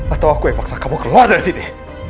atau aku yang memaksa kamu keluar dari sini